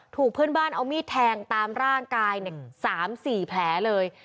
ถูกเพื่อนบ้านเอามีดแทงตามร่างกาย๓๔แผลเลย